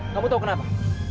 kamu tau kenapa